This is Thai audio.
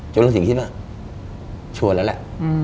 จนลุงสิงห์คิดว่าชัวร์แล้วแหละ